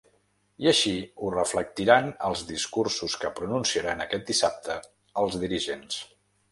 I així ho reflectiran els discursos que pronunciaran aquest dissabte els dirigents.